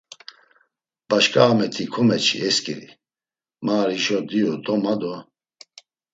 Başǩa a miti komeçi e sǩiri, ma; ar hişo diyu do, ma do…